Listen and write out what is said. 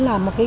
đó là một cái